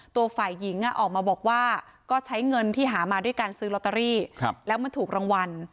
ตัวฝ่ายหญิงออกมาบอกว่าก็ใช้เงินที่หามาด้วยการซื้อลอตเตอรี่แล้วมันถูกรางวัล